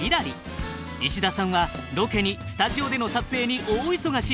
石田さんはロケにスタジオでの撮影に大忙し。